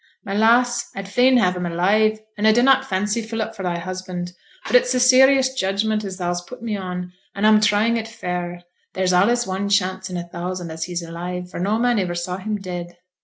'My lass, a'd fain have him alive, an' a dunnot fancy Philip for thy husband; but it's a serious judgment as thou's put me on, an' a'm trying it fair. There's allays one chance i' a thousand as he's alive, for no man iver saw him dead.